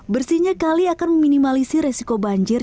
bersihnya kali akan meminimalisi resiko banjir